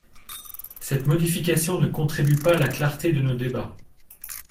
Cette modification ne contribue pas à la clarté de nos débats.